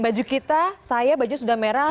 baju kita saya baju sudah merah